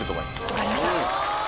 分かりました。